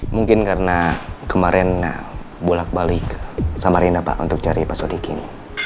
mungkin karena kemarin bolak balik samarinda pak untuk cari pak sodikin